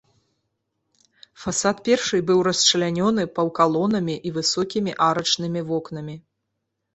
Фасад першай быў расчлянёны паўкалонамі і высокімі арачнымі вокнамі.